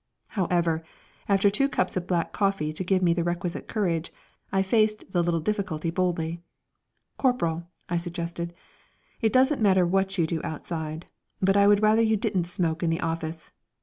However, after two cups of black coffee to give me the requisite courage, I faced the little difficulty boldly. "Corporal," I suggested, "it doesn't matter what you do outside, but I would rather you didn't smoke in the office.